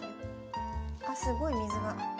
あっすごい水が。